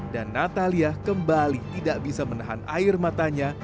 dan natalia kembali tidak bisa menahan air matanya